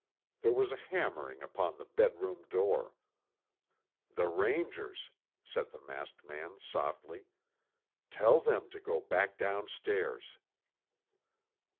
There was a hammering upon the bedroom door. "The Rangers," said the masked man softly. "Tell them to go back downstairs."